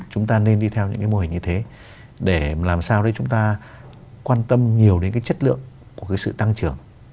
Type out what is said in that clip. chúng ta nên đi theo những cái mô hình như thế để làm sao đấy chúng ta quan tâm nhiều đến cái chất lượng của cái sự tăng trưởng